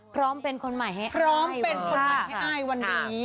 พร้อมเป็นคนใหม่ให้อ้ายวันนี้